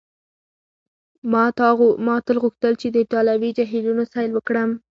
ما تل غوښتل چي د ایټالوي جهیلونو سیل وکړم.